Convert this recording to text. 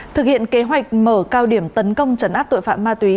thực hiện kế hoạch mở cao điểm tấn công trấn áp tội phạm ma túy